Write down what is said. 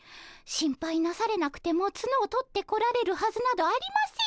心配なされなくてもツノを取ってこられるはずなどありませんよ。